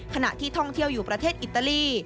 ขณะที่ท่องเที่ยวอยู่ประเทศอิตาลี